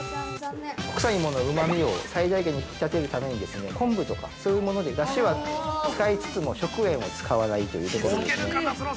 ◆国産芋のうまみを最大限に引き立てるために、昆布とかそういうものでだしは使いつつも、食塩を使わないというところですね。